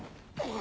あ。